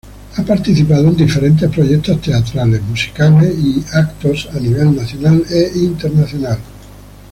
Ha participado en diferentes proyectos teatrales, musicales y eventos a nivel nacional e internacional.